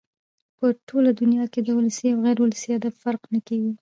په ټوله دونیا کښي د ولسي او غیر اولسي ادب فرق نه کېږي.